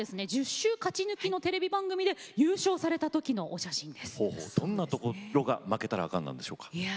１０週勝ち抜きのテレビ番組でどんなところが負けたらあかんなんでしょうか。